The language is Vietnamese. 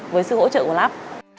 với sự hỗ trợ của lab